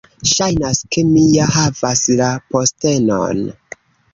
Ŝajnas ke mi ja havas la postenon!